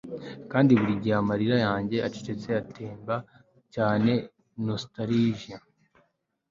Kandi burigihe amarira yanjye acecetse atemba cyane nostalgia